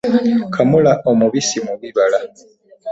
Kamula omubisi mu bibala.